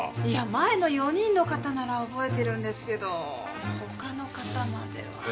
いや前の４人の方なら覚えてるんですけど他の方までは。